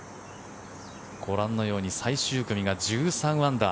ご覧のように最終組が１３アンダー。